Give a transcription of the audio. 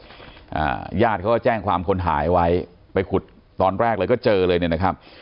อ่าญาติเขาก็แจ้งความคนหายไว้ไปขุดตอนแรกเลยก็เจอเลยเนี่ยนะครับ